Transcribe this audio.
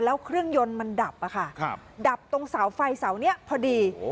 แล้วเครื่องยนต์มันดับอะค่ะดับตรงเสาไฟเสานี้พอดี